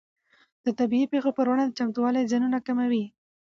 د طبیعي پېښو پر وړاندې چمتووالی زیانونه کموي.